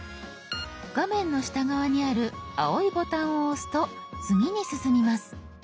画面の下側にある青いボタンを押すと次に進みます。